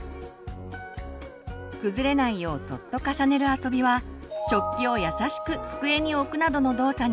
崩れないようそっと重ねる遊びは食器をやさしく机に置くなどの動作につながります。